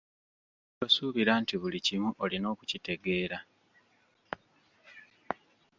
Tosuubira nti buli kimu olina okukitegeera.